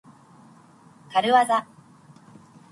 かるわざ。